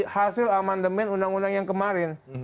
hasil amandemen undang undang yang kemarin